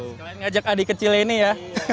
kalian ngajak adik kecilnya ini ya